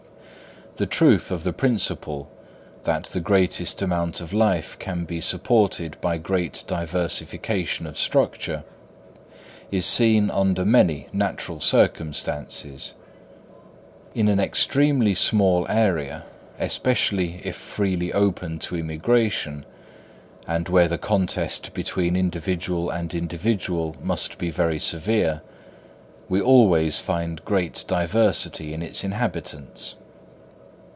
The truth of the principle that the greatest amount of life can be supported by great diversification of structure, is seen under many natural circumstances. In an extremely small area, especially if freely open to immigration, and where the contest between individual and individual must be very severe, we always find great diversity in its inhabitants.